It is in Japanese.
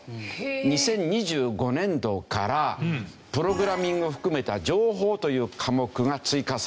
２０２５年度からプログラミングを含めた「情報」という科目が追加されるんです。